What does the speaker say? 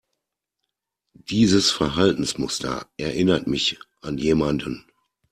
Dieses Verhaltensmuster erinnert mich an jemanden.